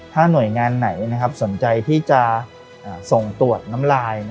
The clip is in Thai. ถ้าหน่วยงานไหนสนใจที่จะส่งตรวจน้ำลาย